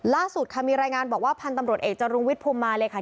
ล่าสุดค่ะมีรายงานบอกว่าพันธุ์ตำรวจเอกจรุงวิทย์ภูมิมาเลยค่ะ